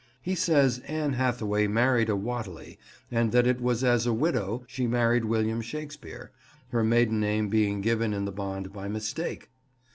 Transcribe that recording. He says Anne Hathaway married a Whateley and that it was as a widow she married William Shakespeare, her maiden name being given in the bond by mistake!